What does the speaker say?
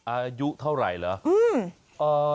อายุเท่าไหร่เหรอ